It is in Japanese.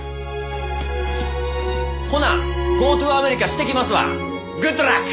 ほなゴートゥアメリカしてきますわグッドラック！